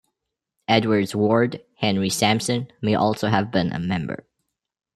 Edward's ward, Henry Samson, may also have been a member.